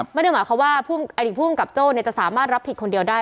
ไม่ได้หมายความว่าอดีตผู้กำกับโจ้จะสามารถรับผิดคนเดียวได้